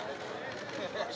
memohon kepada allah swt